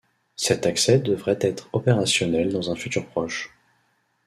Cet accès devrait être opérationnel dans un futur proche.